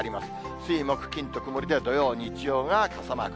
水、木、金と曇りで、土曜、日曜が傘マーク。